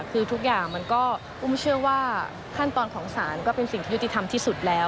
คือทุกอย่างมันก็อุ้มเชื่อว่าขั้นตอนของศาลก็เป็นสิ่งที่ยุติธรรมที่สุดแล้ว